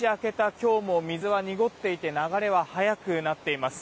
今日も水は濁っていて流れは速くなっています。